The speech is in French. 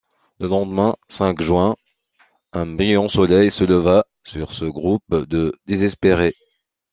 Le lendemain, cinq juin, un brillant soleil se leva sur ce groupe de désespérés.